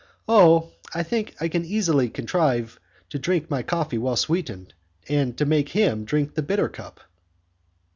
"Oh! I can easily contrive to drink my coffee well sweetened, and to make him drain the bitter cup."